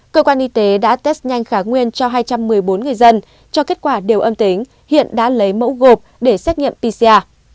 cơ quan y tế đã test nhanh kháng nguyên cho hai trăm một mươi bốn người dân cho kết quả đều âm tính hiện đã lấy mẫu gộp để xét nghiệm pcr